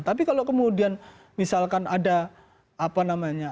tapi kalau kemudian misalkan ada apa namanya